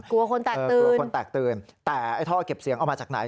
กลัวคนแตกตื่นแต่ท่อเก็บเสียงเอามาจากไหน